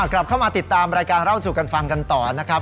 กลับเข้ามาติดตามรายการเล่าสู่กันฟังกันต่อนะครับ